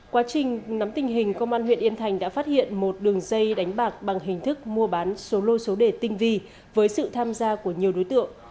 quá trình nắm tình hình công an huyện yên thành đã phát hiện một đường dây đánh bạc bằng hình thức mua bán số lô số đề tinh vi với sự tham gia của nhiều đối tượng